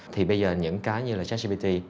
thì bây giờ những cái như là jack gpt